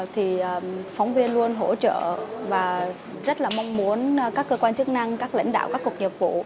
thì phóng viên luôn hỗ trợ và rất là mong muốn các cơ quan chức năng các lãnh đạo các cục nghiệp vụ